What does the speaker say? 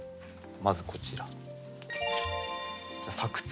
まずこちら。